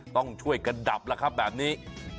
ต้องช่วยกันดับแล้วครับแบบนี้